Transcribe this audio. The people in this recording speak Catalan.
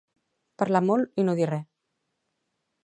Parlar molt i no dir res